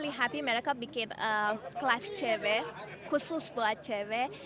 saya sangat senang mereka bikin kelas cewek khusus buat cewek